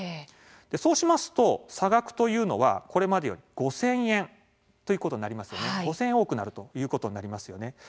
そうしますと、差額というのはこれまでより５０００円多くなるということになりますよね。